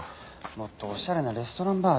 もっとおしゃれなレストランバーで。